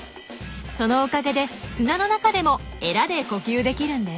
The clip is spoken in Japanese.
そのおかげで砂の中でもエラで呼吸できるんです。